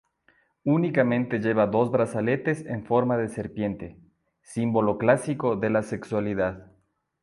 Únicamente lleva dos brazaletes en forma de serpiente, símbolo clásico de la sexualidad.